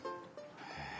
へえ。